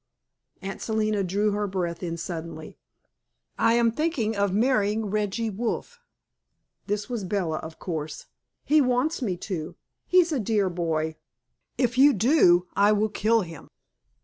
Aunt Selina drew her breath in suddenly. "I am thinking of marrying Reggie Wolfe." This was Bella, of course. "He wants me to. He's a dear boy." "If you do, I will kill him."